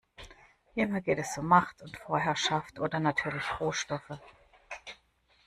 Immer geht es um Macht und Vorherrschaft oder natürlich Rohstoffe.